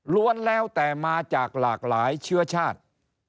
แล้วแต่มาจากหลากหลายเชื้อชาติ